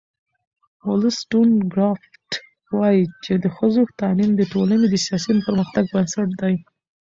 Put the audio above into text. ولستون کرافټ وایي چې د ښځو تعلیم د ټولنې د سیاسي پرمختګ بنسټ دی.